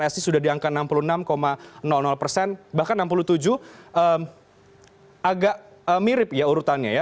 sudah di angka enam puluh enam persen bahkan enam puluh tujuh agak mirip ya urutannya ya